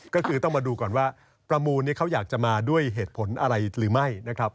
ก็คือต้องมาดูก่อนว่าประมูลเขาอยากจะมาด้วยเหตุผลอะไรหรือไม่นะครับ